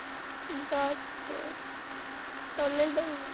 だってダメだもん。